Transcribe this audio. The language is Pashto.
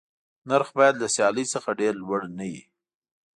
نرخ باید له سیالۍ څخه ډېر لوړ نه وي.